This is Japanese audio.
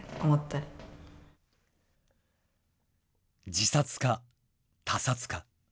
自殺か、他殺か。